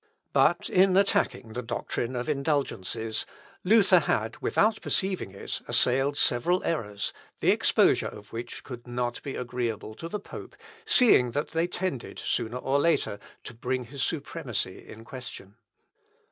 But in attacking the doctrine of indulgences, Luther had, without perceiving it, assailed several errors, the exposure of which could not be agreeable to the pope, seeing that they tended, sooner or later, to bring his supremacy in question.